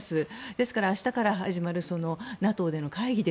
ですから明日から始まるＮＡＴＯでの会議